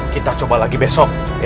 kita coba lagi besok